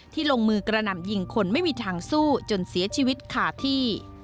ลงมือกระหน่ำยิงคนไม่มีทางสู้จนเสียชีวิตขาดที่